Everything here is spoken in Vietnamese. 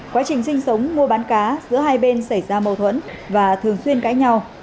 quá trình sinh sống mua bán cá giữa hai bên xảy ra mâu thuẫn và thường xuyên cãi nhau